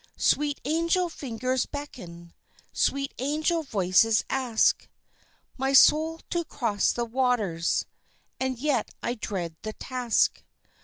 Sweet angel fingers beckon, Sweet angel voices ask My soul to cross the waters; And yet I dread the task.